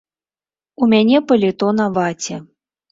У мяне паліто на ваце.